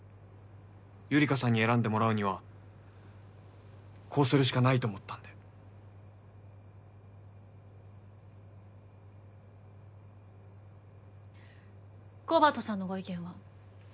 ゆりかさんに選んでもらうにはこうするしかないと思ったんでコバトさんのご意見は？